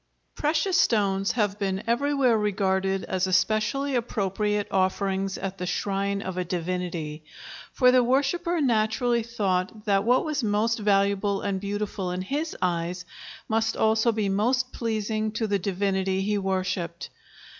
] Precious stones have been everywhere regarded as especially appropriate offerings at the shrine of a divinity, for the worshipper naturally thought that what was most valuable and beautiful in his eyes must also be most pleasing to the divinity he worshipped.